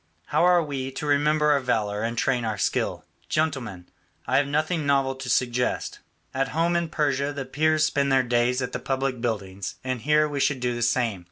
How are we to remember our valour and train our skill? Gentlemen, I have nothing novel to suggest; at home in Persia the Peers spend their days at the public buildings and here we should do the same.